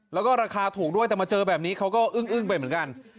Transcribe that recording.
แล้วก็ราคาถูกด้วยแต่มาเจอแบบนี้เขาก็อึ้งไปเหมือนกัน